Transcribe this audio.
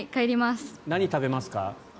何食べますか？